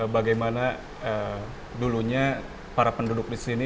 bagaimana dulunya para penduduk di sini